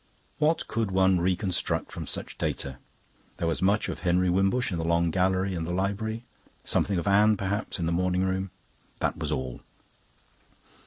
What could one reconstruct from such data? There was much of Henry Wimbush in the long gallery and the library, something of Anne, perhaps, in the morning room. That was all.